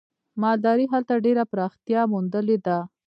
مالدارۍ هلته ډېره پراختیا موندلې ده.